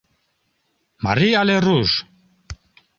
Марий але руш?